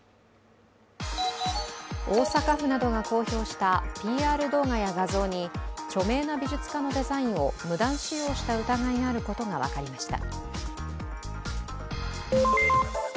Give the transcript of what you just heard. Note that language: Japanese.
大阪府などが公表したＰＲ動画や画像に著名な美術家のデザインを無断使用した疑いがあることが分かりました。